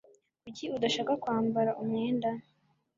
Kuki udashaka kwambara umwenda?